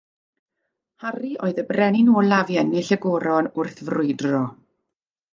Harri oedd y brenin olaf i ennill y goron wrth frwydro